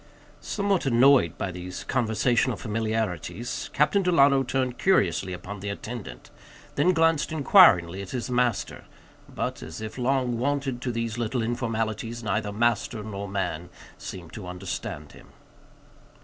Somewhat annoyed by these conversational familiarities, Captain Delano turned curiously upon the attendant, then glanced inquiringly at his master; but, as if long wonted to these little informalities, neither master nor man seemed to understand him.